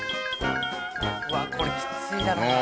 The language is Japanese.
うわこれきついだろうな。